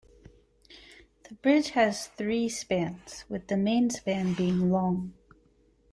The bridge has three spans, with the main span being long.